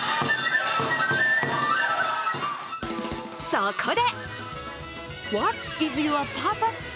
そこで